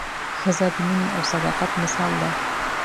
ښځه د مینې او صداقت مثال ده.